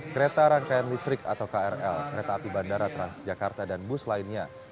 kereta rangkaian listrik atau krl kereta api bandara transjakarta dan bus lainnya